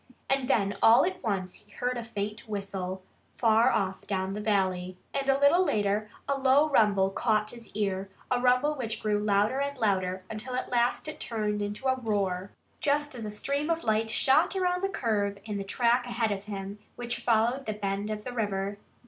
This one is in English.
And then all at once he heard a faint whistle, far off down the valley. And a little later a low rumble caught his ear a rumble which grew louder and louder until at last it turned into a roar, just as a stream of light shot around the curve in the track ahead of him, which followed the bend of the river.